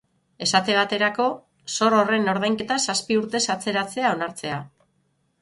Esate baterako, zor horren ordainketa zazpi urtez atzeratzea onartzea.